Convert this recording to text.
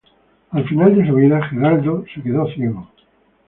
Al final de su vida, Geraldo se quedó ciego.